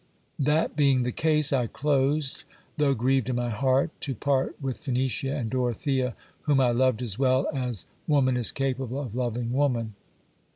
That being the case, I closed, though grieved in my heart to part with Phenicia and Dorothea, whom I loved as well as woman is capable of loving woman.